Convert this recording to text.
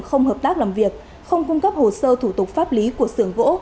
không hợp tác làm việc không cung cấp hồ sơ thủ tục pháp lý của sưởng gỗ